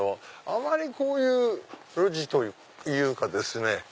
あまりこういう路地というかですね